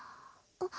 あっ！